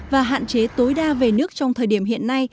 và hạn chế tối đa về nước trong thời điểm hiện nay